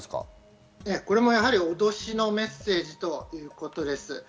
これも脅しのメッセージということです。